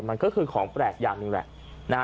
มันก็คือของแปลกอย่างหนึ่งแหละนะฮะ